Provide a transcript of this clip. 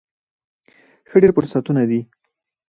ښه، ډیر فرصتونه دي